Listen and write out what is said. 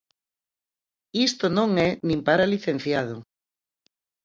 ¡Isto non é nin para licenciado!